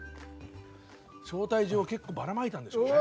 招待状を結構ばらまいたんでしょうね。